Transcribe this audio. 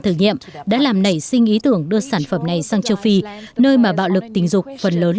thử nghiệm đã làm nảy sinh ý tưởng đưa sản phẩm này sang châu phi nơi mà bạo lực tình dục phần lớn